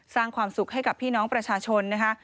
สร้างความสุขให้กับพี่น้องประชาชนนะคะ